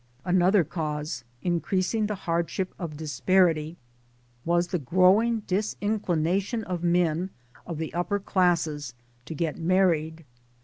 1 Another cause, increasing the hardship of disparity, was the growing disinclination of men (of the upper classes) to get married.